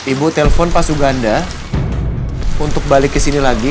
ibu telpon pak suganda untuk balik ke sini lagi